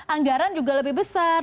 anggaran juga lebih besar